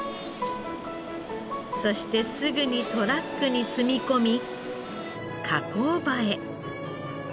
そしてすぐにトラックに積み込み加工場へ。